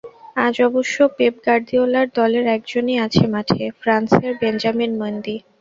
আজ অবশ্য পেপ গার্দিওলার দলের একজনই আছে মাঠে, ফ্রান্সের বেঞ্জামিন মেন্দি।